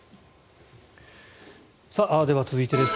では、続いてです。